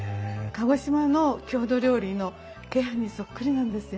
鹿児島の郷土料理の鶏飯にそっくりなんですよ。